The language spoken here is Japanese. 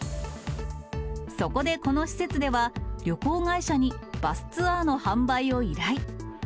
そこでこの施設では、旅行会社に、バスツアーの販売を依頼。